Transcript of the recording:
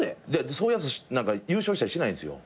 そういうやつ優勝したりしないんすよ。